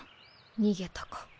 逃げたか。